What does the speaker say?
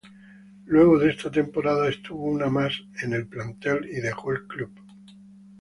Luego de esa temporada estuvo una más en el plantel y dejó el club.